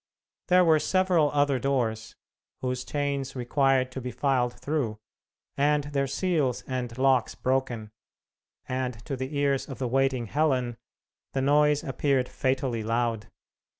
There were several other doors, whose chains required to be filed through, and their seals and locks broken, and to the ears of the waiting Helen the noise appeared fatally loud.